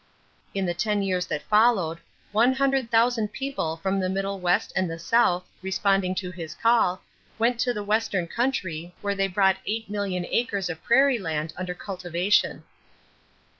In the ten years that followed, 100,000 people from the Middle West and the South, responding to his call, went to the Western country where they brought eight million acres of prairie land under cultivation.